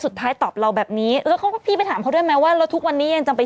อีหลังกว่ากับอีหลังอีเหลือนนะครับ